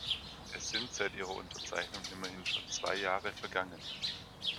Es sind seit ihrer Unterzeichnung immerhin schon zwei Jahre vergangen.